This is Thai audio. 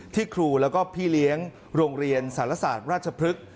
ครูแล้วก็พี่เลี้ยงโรงเรียนสารศาสตร์ราชพฤกษ์